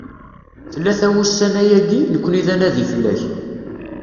Tlata wussan-ayagi, nekni d anadi fell-ak.